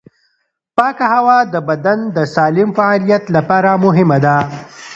پاکه هوا د بدن د سالم فعالیت لپاره مهمه ده.